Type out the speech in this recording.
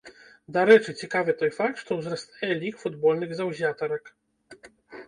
Дарэчы, цікавы той факт, што ўзрастае лік футбольных заўзятарак.